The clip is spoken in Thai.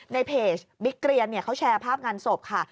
ในเพจบิ๊กเกรียนเขาแชร์ภาพงานศพค่ะ